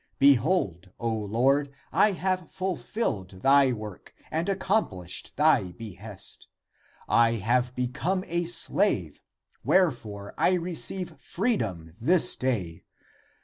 Behold, O Lord, I have ful filled thy work and accomplished thy behest. I have become a slave, wherefore I receive freedom this day.